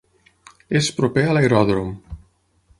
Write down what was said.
És proper a l'aeròdrom.